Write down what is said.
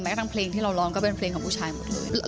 ทั้งเพลงที่เราร้องก็เป็นเพลงของผู้ชายหมดเลย